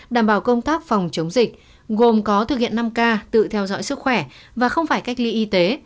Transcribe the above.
đảm bảo công tác phòng chống dịch gồm có thực hiện năm k tự theo dõi sức khỏe và không phải cách ly y tế